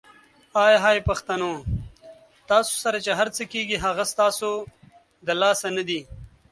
آی های پښتنو ! تاسو سره چې هرڅه کیږي هغه ستاسو د لاسه ندي؟!